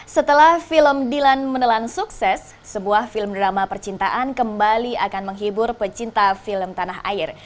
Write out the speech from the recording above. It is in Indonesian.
setelah film dilan menelan sukses sebuah film drama percintaan kembali akan menghibur pecinta film tanah air